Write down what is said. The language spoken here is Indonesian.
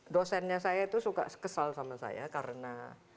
dosennya saya itu suka kesal sama saya karena